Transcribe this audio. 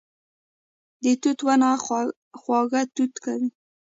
د توت ونه خواږه توت کوي